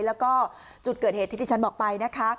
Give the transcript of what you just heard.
แล้วก็จุดเกิดเหตุที่ที่ฉันบอกไปนะคะ